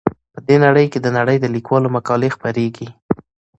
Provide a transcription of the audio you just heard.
په دې کې د نړۍ د لیکوالو مقالې خپریږي.